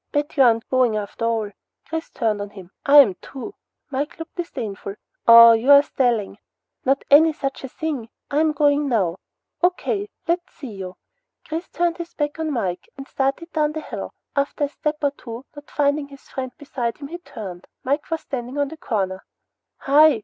"Betcha aren't goin' after all!" Chris turned on him. "Am too!" Mike looked disdainful. "Aw you're stalling!" "Not any sucha thing. I'm going now." "O.K. Let's see you." Chris turned his back on Mike and started down the hill. After a step or two, not finding his friend beside him, he turned. Mike was standing on the corner. "Hi!"